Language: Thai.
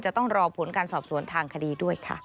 จะต้องรอผลการสอบสวนทางคดีด้วยค่ะ